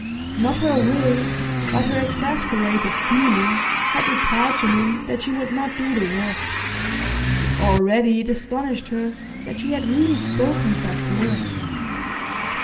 Not her will, but her exasperated feeling, had replied to him that she would not do the work; already it astonished her that she had really spoken such words.